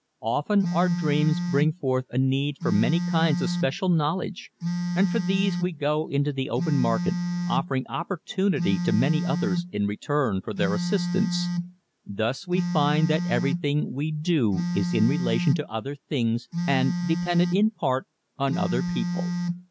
Often our dreams bring forth a need for many kinds of special knowledge and for these we go into the open market offering opportunity to many others in return for their assistance. Thus we find that everything we do is in relation to other things and dependent in part on other people.